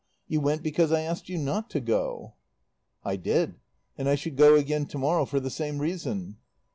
You went because I asked you not to go." "I did; and I should go again tomorrow for the same reason."